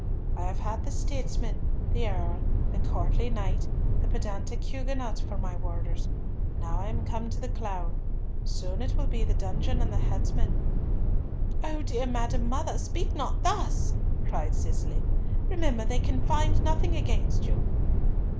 I have had the statesman, the earl, the courtly knight, the pedantic Huguenot, for my warders. Now am I come to the clown. Soon will it be the dungeon and the headsman." "O dear madam mother, speak not thus," cried Cicely. "Remember they can find nothing against you."